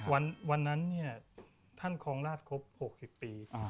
วันนั้นท่านคลองราชครบ๖๐ปี